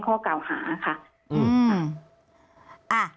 ข้อกาวหาค่ะ